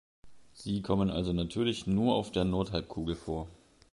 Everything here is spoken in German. Sie kommen also natürlich nur auf der Nordhalbkugel vor.